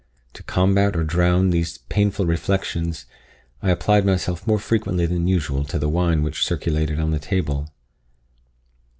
To combat or drown these painful reflections, I applied myself more frequently than usual to the wine which circulated on the table.